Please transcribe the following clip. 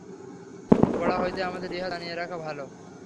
গোড়া হইতেই আমাদের ইহা জানিয়া রাখা ভাল।